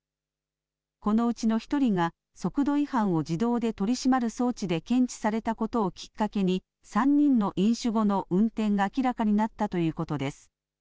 このうちの１人が、速度違反を自動で取り締まる装置で検知されたことをきっかけに、３人の飲酒後の運転が明らかになったということです。